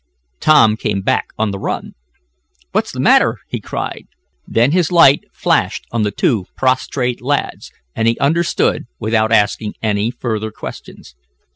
Tom came back on the run. "What's the matter?" he cried. Then his light flashed on the two prostrate lads, and he understood without asking any further questions.